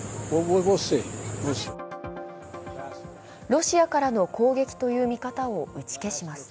ロシアからの攻撃という見方を打ち消します。